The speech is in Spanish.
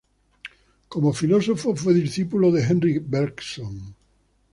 Como filósofo, fue discípulo de Henri Bergson.